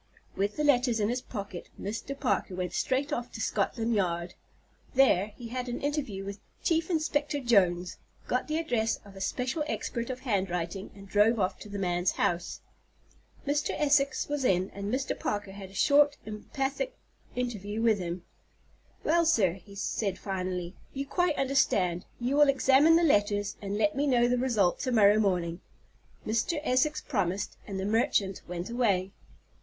With the letters in his pocket, Mr. Parker went straight off to Scotland Yard. There he had an interview with Chief Inspector Jones, got the address of a special expert of handwriting, and drove off to the man's house. Mr. Essex was in, and Mr. Parker had a short, emphatic interview with him. "Well, sir." he said finally, "you quite understand. You will examine the letters, and let me know the result to morrow morning." Mr. Essex promised, and the merchant went away.